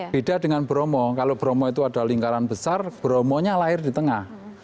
beda dengan bromo kalau bromo itu ada lingkaran besar bromonya lahir di tengah